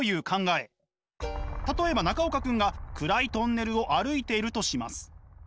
例えば中岡君が暗いトンネルを歩いているとします。